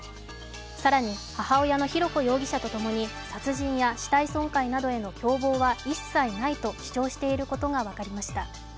更に母親の浩子容疑者と共に殺人や死体損壊などへの共謀は一切ないと主張していることが分かりました。